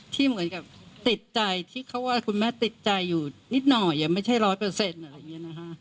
ที่เหมือนกับติดใจที่เขาว่าคุณแม่ติดใจอยู่นิดหน่อยไม่ใช่ร้อยเปอร์เซ็นต์อะไรอย่างนี้นะคะ